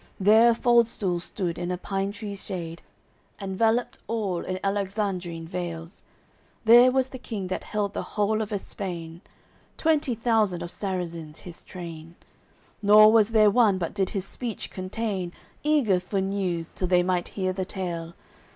There a fald stool stood in a pine tree's shade, Enveloped all in Alexandrin veils; There was the King that held the whole of Espain, Twenty thousand of Sarrazins his train; Nor was there one but did his speech contain, Eager for news, till they might hear the tale.